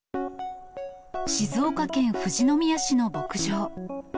静岡県富士宮市の牧場。